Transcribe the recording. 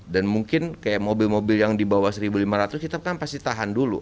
dan mungkin kayak mobil mobil yang di bawah satu lima ratus kita pasti tahan dulu